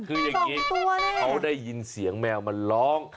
เรียกด้วยเขาได้ยินเสียงแมวมันร้อง